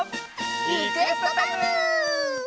リクエストタイム！